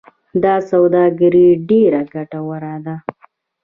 دا سوداګري ډیره ګټوره ده.